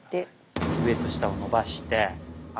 上と下を伸ばして。